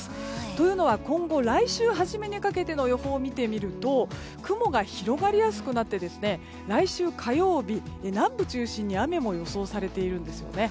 というのは今後、来週初めにかけての予報を見てみると雲が広がりやすくなって来週火曜日、南部中心に雨も予想されているんですよね。